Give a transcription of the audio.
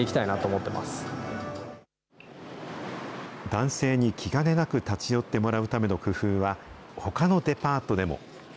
男性に気兼ねなく立ち寄ってもらうための工夫は、ほかのデパートでも。